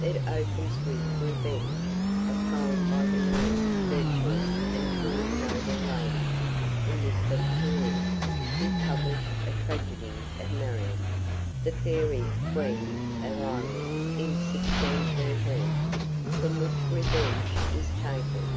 It opens with Revenge, a poem by the 'learned, virtuous, and truly noble Ladie,' Elizabeth Carew, who published a Tragedie of Marian, the faire Queene of Iewry, in 1613, from which Revenge is taken.